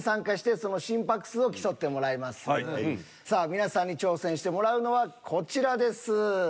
これでさあ皆さんに挑戦してもらうのはこちらです。